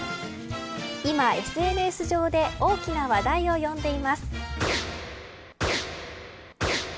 今、ＳＮＳ上で大きな話題を呼んでいます。